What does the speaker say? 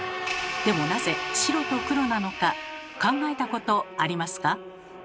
でもなぜ白と黒なのか考えたことありますか？